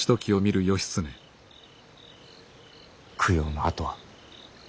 供養のあとは。